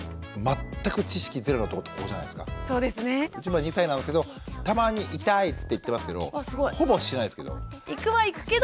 うち今２歳なんですけどたまに「行きたい」って言って行ってますけどほぼしないですけど。